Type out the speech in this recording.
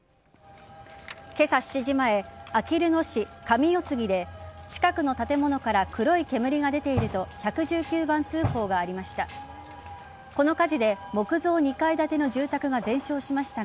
今朝７時前、あきる野市上代継で近くの建物から黒い煙が出ていると１１９番通報がありました。